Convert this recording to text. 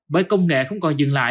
bởi công nghệ không còn dừng lại